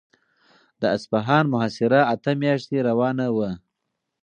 د اصفهان محاصره اته میاشتې روانه وه.